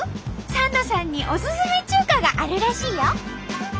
サンドさんにおすすめ中華があるらしいよ。